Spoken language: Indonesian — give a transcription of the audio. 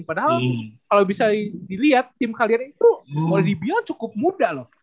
padahal kalo bisa diliat tim kalian itu boleh dibilang cukup muda loh